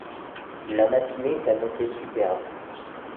La matinée s’annonçait superbe.